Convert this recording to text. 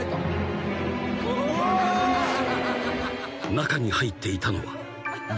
［中に入っていたのは］